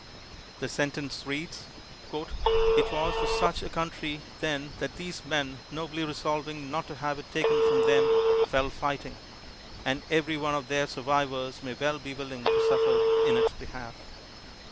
The sentence reads: '' It was for such a country then that these men, nobly resolving not to have it taken from them, fell fighting; and every one of their survivors may well be willing to suffer in its behalf."